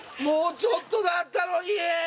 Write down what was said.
もうちょっとだったのに！